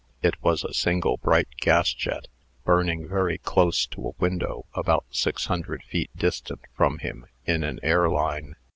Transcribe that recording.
It was a single bright gas jet, burning very close to a window about six hundred feet distant from him in an air line.